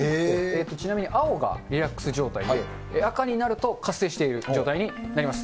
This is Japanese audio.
ちなみに青がリラックス状態で、赤になると活性している状態になります。